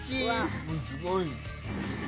すごい。